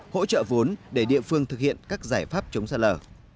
hỗ trợ vốn để địa phương thực hiện các giải pháp chống sạt lở